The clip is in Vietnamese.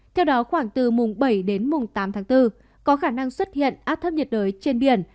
theo đó khoảng từ mùng bảy đến mùng tám tháng bốn có khả năng xuất hiện áp thấp nhiệt đới trên biển